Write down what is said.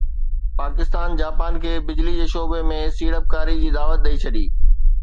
Pakistan Japan کي بجلي جي شعبي ۾ سيڙپڪاري جي دعوت ڏئي ڇڏي